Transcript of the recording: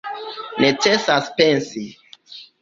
Necesas pensi.